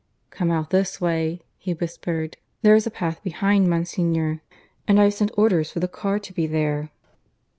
"Come out this way," he whispered. "There's a path behind, Monsignor, and I've sent orders for the car to be there."